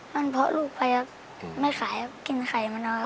มันเพาะลูกไปไม่ขายกินไข่มันเอา